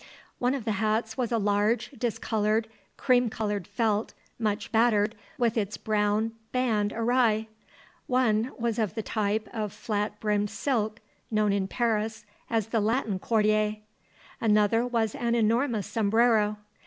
One of the hats was a large, discoloured, cream coloured felt, much battered, with its brown band awry; one was of the type of flat brimmed silk, known in Paris as the Latin Quartier; another was an enormous sombrero.